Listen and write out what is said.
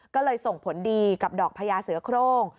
ก็เลยส่งผลดีกับดอกพญาเสือโครง